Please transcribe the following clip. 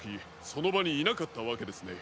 そのばにいなかったわけですね。